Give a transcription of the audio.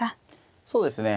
そうですね。